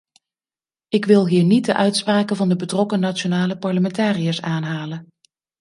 Ik wil hier niet de uitspraken van de betrokken nationale parlementariërs aanhalen.